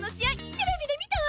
テレビで見たわ。